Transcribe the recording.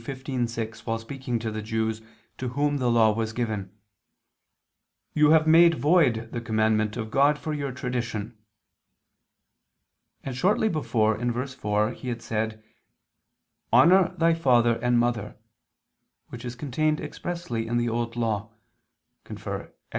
15:6) while speaking to the Jews, to whom the Law was given: "You have made void the commandment of God for your tradition." And shortly before (verse 4) He had said: "Honor thy father and mother," which is contained expressly in the Old Law (Ex.